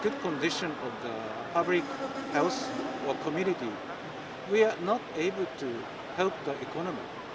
demi pemulihan ekonomi